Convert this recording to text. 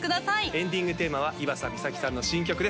エンディングテーマは岩佐美咲さんの新曲です